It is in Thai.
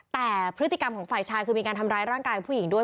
แต่พฤติกรรมของฝ่ายชายคือมีการทำร้ายร่างกายผู้หญิงด้วย